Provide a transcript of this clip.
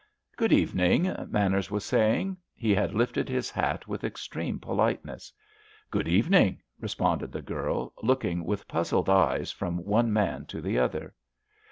"Good evening," Manners was saying. He had lifted his hat with extreme politeness. "Good evening," responded the girl, looking with puzzled eyes from one man to the other.